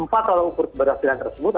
empat tolak ukur keberhasilan tersebut